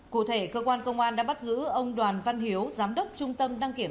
cụ thể cơ quan công an đã bắt giữ ông đoàn văn hiếu giám đốc trung tâm đăng kiểm